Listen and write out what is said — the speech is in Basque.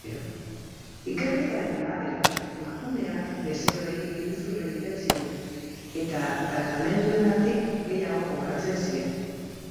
Ikerketaren arabera, emakumeak bezeroei iruzur egiten zien eta tratamenduengatik gehiago kobratzen zien.